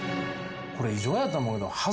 これ異常やと思う。